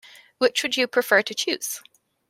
Which would you prefer to choose?